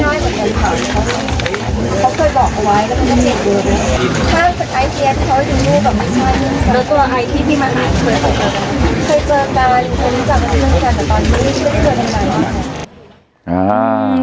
เคยเจอกันรู้จักเรื่องที่แบบแต่ตอนนี้ไม่เคยเจอกันกัน